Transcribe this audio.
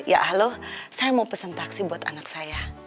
ya halo saya mau pesen taksi buat anak saya